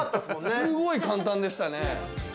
すごい簡単でしたね。